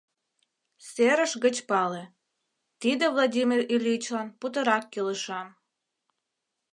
Серыш гыч пале, тиде Владимир Ильичлан путырак кӱлешан.